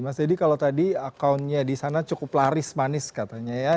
mas yedi kalau tadi accountnya disana cukup laris manis katanya ya